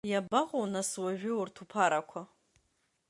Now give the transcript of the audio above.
Иабаҟоу нас уажәы урҭ уԥарақәа?